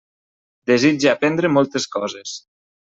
Desitge aprendre moltes coses.